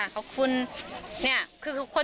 ขอบคุณค่ะขอบคุณ